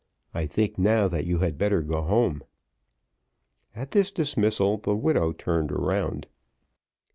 I think now that you had better go home." At this dismissal the widow turned round.